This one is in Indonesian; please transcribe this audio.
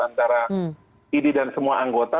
antara idi dan semua anggota